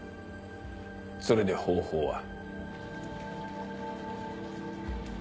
それで方法は？